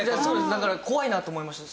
だから怖いなと思いました。